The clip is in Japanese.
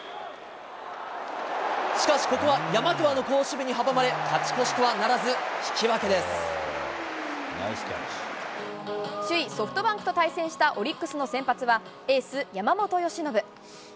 しかし、ここはの好守備に阻まれ、勝ち越しとはならず、引き分けで首位ソフトバンクと対戦したオリックスの先発は、エース、山本由伸。